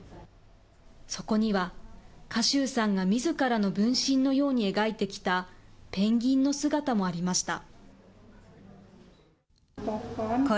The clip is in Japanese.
そこには、賀集さんがみずからの分身のように描いてきたペンギンの姿もありました。